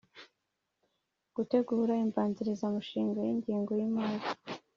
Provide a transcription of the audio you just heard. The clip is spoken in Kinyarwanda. Gutegura imbanzirizamushinga y ingengo y imari